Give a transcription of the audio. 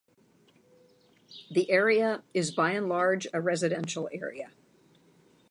The area is by and large a residential area.